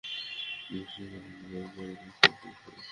মিষ্টিই বানাবি গাড়ি চালানো শিখতে এসেছিস কেন।